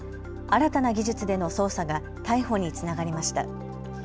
新たな技術での捜査が逮捕につながりました。